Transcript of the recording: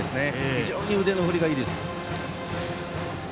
非常に腕の振りがいいです。